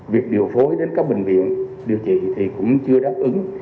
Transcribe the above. việc điều phối đến các bệnh viện điều trị thì cũng chưa đáp ứng